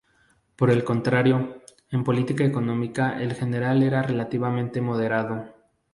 Por el contrario, en política económica el general era relativamente moderado.